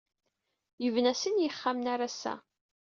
Yebna sin yexxamen ar ass-a.